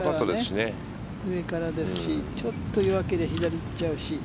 上からですしちょっと弱ければ左に行っちゃうし。